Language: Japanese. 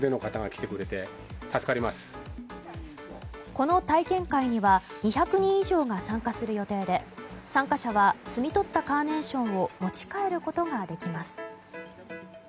この体験会には２００人以上が参加する予定で参加者は摘み取ったカーネーションを持ち帰ることができます。